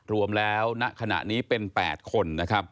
รวมแล้วณขณะนี้เป็น๘คน